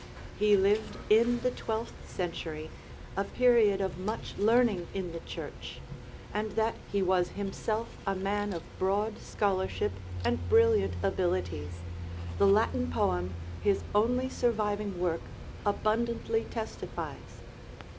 He lived in the twelfth century, a period of much learning in the church; and that he was himself a man of broad scholarship and brilliant abilities, the Latin poem, his only surviving work, abundantly testifies.